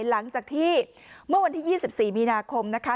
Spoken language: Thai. หลังจากที่เมื่อวันที่๒๔มีนาคมนะคะ